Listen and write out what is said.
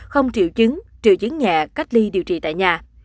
không triệu chứng triệu chứng nhẹ cách ly điều trị tại nhà